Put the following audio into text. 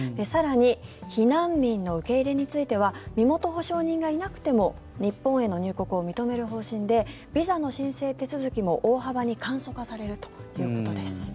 更に避難民の受け入れについては身元保証人がいなくても日本への入国を認める方針でビザの申請手続きも大幅に簡素化されるということです。